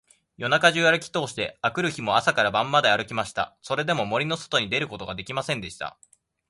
夜中じゅうあるきとおして、あくる日も朝から晩まであるきました。それでも、森のそとに出ることができませんでした。